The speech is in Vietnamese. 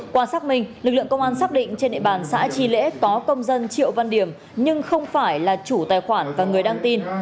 qua xác minh lực lượng công an xác định trên địa bàn xã tri lễ có công dân triệu văn điểm nhưng không phải là chủ tài khoản và người đăng tin